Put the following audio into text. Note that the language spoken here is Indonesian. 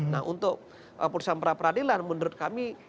nah untuk perusahaan peradilan menurut kami